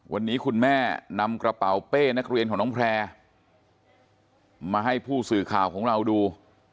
วันนี้คุณแม่นำกระเป๋าเป้นักเรียนของน้องแพร่มาให้ผู้สื่อข่าวของเราดู